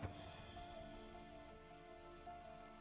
aku mau ke rumah